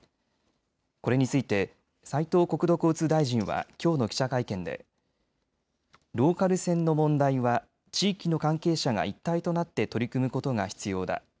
これについて斉藤国土交通大臣はきょうの記者会見でローカル線の問題は地域の関係者が一体となって取り組むことが必要だ。